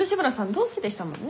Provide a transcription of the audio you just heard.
同期でしたもんね。